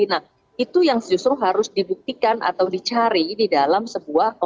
nah itu yang justru harus dibuktikan atau dicari di dalam sebuah